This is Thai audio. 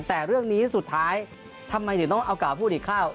แต่เรื่องนี้สุดท้ายทำไมถึงต้องเอากล่าพูดอีกข้าว